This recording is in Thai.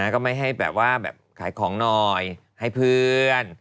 ก็ไม่ให้แบบว่าแบบขายของหน่อยให้เพื่อน